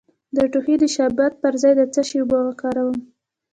د ټوخي د شربت پر ځای د څه شي اوبه وکاروم؟